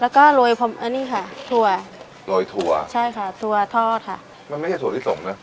แล้วก็โรยพร้อมอันนี้ค่ะถั่วโรยถั่วใช่ค่ะถั่วทอดค่ะมันไม่ใช่ถั่วลิสงนะ